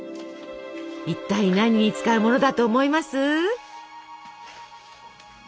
いったい何に使うものだと思います？